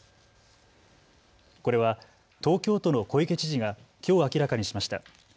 これは東京都の小池知事がきょう明らかにしました。